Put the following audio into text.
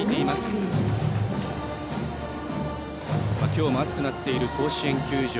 今日も暑くなっている甲子園球場。